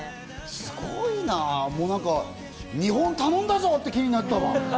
すごいなもう何か日本頼んだぞって気になったわ。